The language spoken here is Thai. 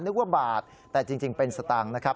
นึกว่าบาทแต่จริงเป็นสตางค์นะครับ